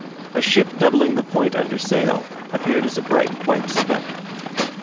A ship doubling the point under sail, appeared as a bright white speck.